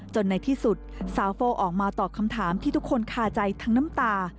ในที่สุดสาวโฟออกมาตอบคำถามที่ทุกคนคาใจทั้งน้ำตา